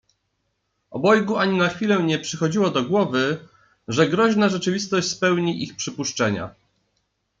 Obojgu ani na chwilę nie przychodziło do głowy, że groźna rzeczywistość spełni ich przypuszczenia.